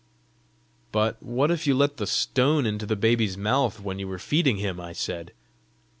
"But what if you let the stone into the baby's mouth when you were feeding him?" I said.